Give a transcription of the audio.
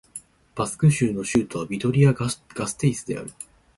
バスク州の州都はビトリア＝ガステイスである